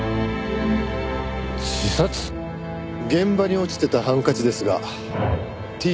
現場に落ちてたハンカチですが「Ｔ」は高木。